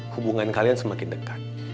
hubungan kalian semakin dekat